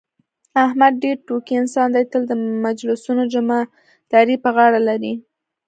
احمد ډېر ټوکي انسان دی، تل د مجلسونو جمعه داري په غاړه لري.